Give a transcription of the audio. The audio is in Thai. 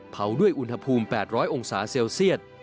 ด้วยอุณหภูมิ๘๐๐องศาเซลเซียต